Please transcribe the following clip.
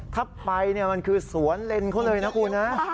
ถ้าไปมันคือสวนเลนเขาเลยนะคุณนะ